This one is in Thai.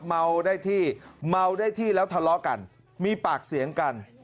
เมาได้ที่เมาได้ที่แล้วทะเลาะกันมีปากเสียงกัน